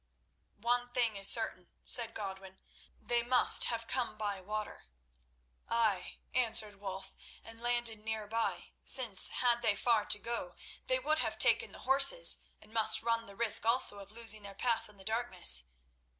"One thing is certain," said Godwin, "they must have come by water." "Ay," answered Wulf, "and landed near by, since, had they far to go, they would have taken the horses, and must run the risk also of losing their path in the darkness.